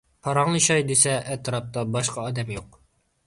پاراڭلىشاي دېسە ئەتراپتا باشقا ئادەم يوق.